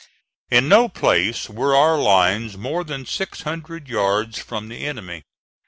In no place were our lines more than six hundred yards from the enemy.